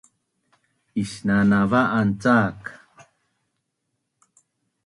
isnanava’an cak